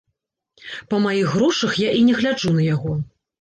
Па маіх грошах я і не гляджу на яго.